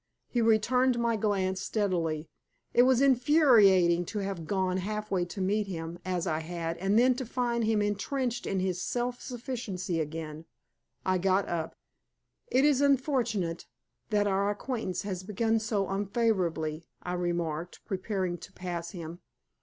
He returned my glance steadily. It was infuriating to have gone half way to meet him, as I had, and then to find him intrenched in his self sufficiency again. I got up. "It is unfortunate that our acquaintance has begun so unfavorably," I remarked, preparing to pass him.